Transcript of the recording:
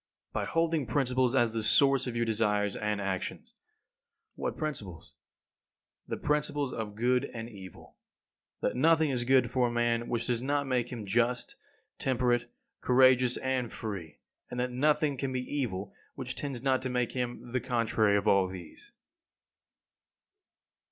By holding principles as the source of your desires and actions. What principles? The principles of good and evil: That nothing is good for a man which does not make him just, temperate, courageous, and free; and that nothing can be evil which tends not to make him the contrary of all these.